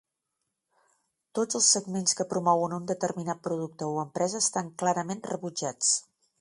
Tots els segments que promouen un determinat producte o empresa estan clarament rebutjats.